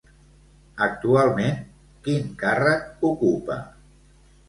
Actualment, quin càrrec ocupa?